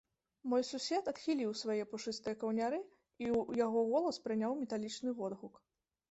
Мой сусед адхіліў свае пушыстыя каўняры, і яго голас прыняў металічны водгук.